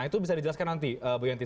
nah itu bisa dijelaskan nanti